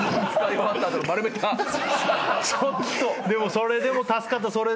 でもそれでも助かった。